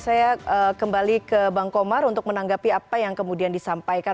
saya kembali ke bang komar untuk menanggapi apa yang kemudian disampaikan